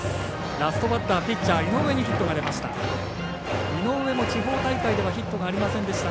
ラストバッターピッチャー、井上にヒットが出ました。